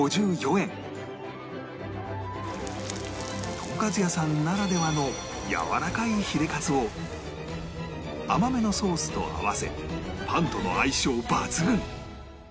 とんかつ屋さんならではのやわらかいヒレかつを甘めのソースと合わせパンとの相性抜群！